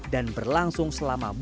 dan berlangsung selama berapa jam